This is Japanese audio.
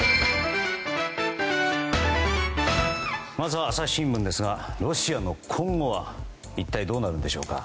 まずは朝日新聞ですがロシアの今後は一体どうなるんでしょうか。